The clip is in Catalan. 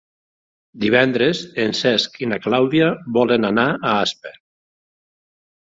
Divendres en Cesc i na Clàudia volen anar a Aspa.